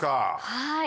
はい。